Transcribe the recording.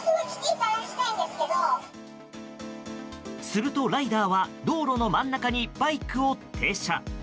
すると、ライダーは道路の真ん中にバイクを停車。